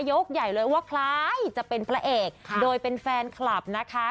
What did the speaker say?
ยกใหญ่เลยว่าใครจะเป็นพระเอกโดยเป็นแฟนคลับนะคะ